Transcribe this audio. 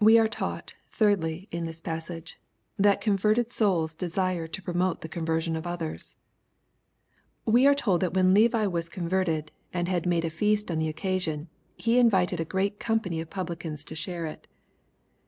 We are. taught, thirdly, in this passage, thut converted V sovis desire to promote the conversion of others. We are told that when Levi was converted, and had made a feast on the occasion, he invited '^a gr^at. company of publicans'' to share it.